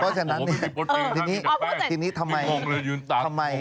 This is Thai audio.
เพราะฉะนั้นที่นี้ทำไม